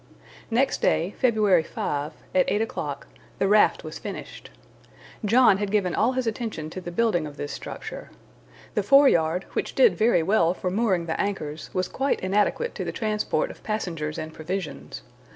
Next day, February 5, at eight o'clock, the raft was finished. John had given all his attention to the building of this structure. The foreyard, which did very well for mooring the anchors, was quite inadequate to the transport of passengers and provisions.